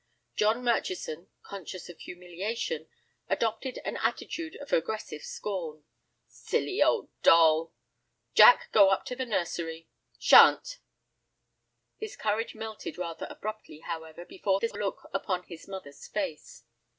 John Murchison, conscious of humiliation, adopted an attitude of aggressive scorn. "Silly old doll." "Jack, go up to the nursery." "Sha'n't." His courage melted rather abruptly, however, before the look upon his mother's face.